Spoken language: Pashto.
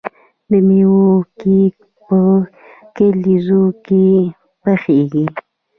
د میوو کیک په کلیزو کې پخیږي.